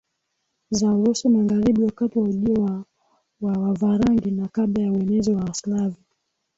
za Urusi magharibi wakati wa ujio wa Wavarangi na kabla ya uenezi wa Waslavi